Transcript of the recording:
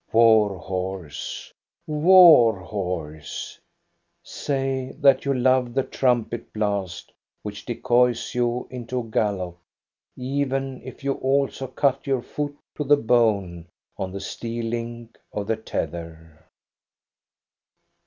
War horse, war horse ! Say that you love the trumpet blast, which decoys you into a gallop, even if you also cut your foot to the bone on the steel link of the tether.